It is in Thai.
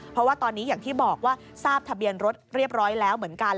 เพราะว่าตอนนี้อย่างที่บอกว่าทราบทะเบียนรถเรียบร้อยแล้วเหมือนกัน